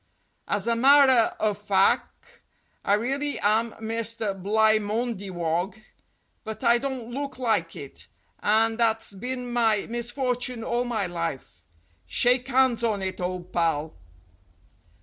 As a marrer o' fac', I really am Mr. Blymondiwog, but I don't look like it, and that's been my misfortune all my life. Shake hands on it, ole pal."